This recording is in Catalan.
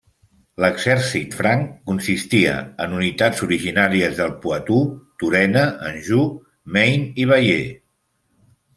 L'exèrcit franc consistia en unitats originàries del Poitou, Turena, Anjou, Maine i Bayeux.